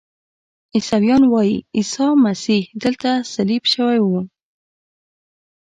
عیسویان وایي عیسی مسیح دلته صلیب شوی و.